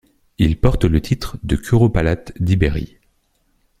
Il porte le titre de curopalate d'Ibérie.